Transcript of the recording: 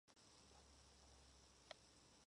It is located south of Ridgecrest, California.